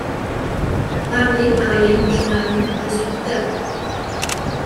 Parlez, parlez, mon cher ami, je suis tout à vous…